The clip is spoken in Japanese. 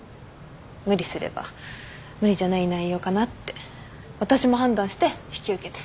無理すれば無理じゃない内容かなって私も判断して引き受けて。